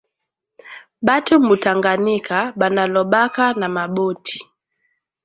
Bantu mu tanganika bana lobaka na ma boti